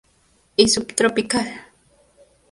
Y subtropical.